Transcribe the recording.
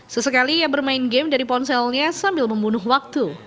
sesekali ia bermain game dari ponselnya sambil membunuh waktu